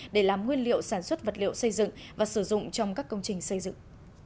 để làm nguyên liệu sản xuất vật liệu xây dựng và sử dụng trong các công trình xây dựng